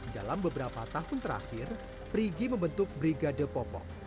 dalam beberapa tahun terakhir perigi membentuk brigade popok